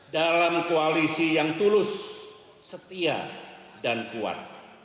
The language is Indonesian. dalam koalisi yang tulus setia dan kuat